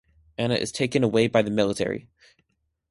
Anna is taken away by the military.